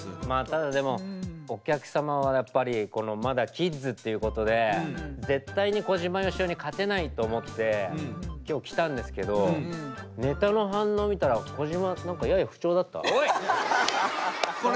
まあただでもお客様はやっぱりこのまだキッズっていうことで絶対に小島よしおに勝てないと思って今日来たんですけどネタの反応見たら小島何かやや不調だった？